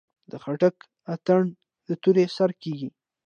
د خټک اتن د تورې سره کیږي.